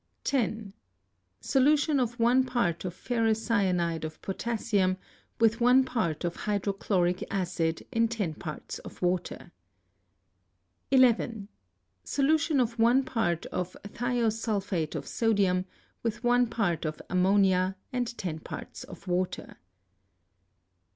10. Do. of one part of ferrocyanide of potassium with one part of hydrochloric acid in 10 parts of water. 11. Solution of one part of thiosulphate of sodium with one part of ammonia and 10 parts of water.